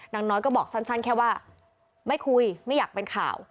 นางน้อยก็บอกสั้นแค่ว่าไม่คุยไม่อยากเป็นข่าว